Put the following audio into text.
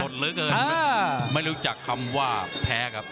สดเหล็กเลยนะไม่รู้จักคำว่าแพ้ครับ